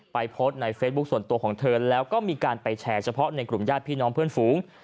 โพสต์ในเฟซบุ๊คส่วนตัวของเธอแล้วก็มีการไปแชร์เฉพาะในกลุ่มญาติพี่น้องเพื่อนฝูง